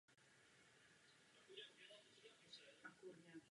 Během dne se soustředil na závodní simulace a zastávky v boxech.